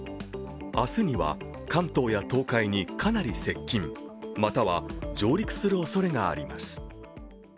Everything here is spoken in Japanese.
明日には、関東や東海にかなり接近、または上陸するおそれがあります。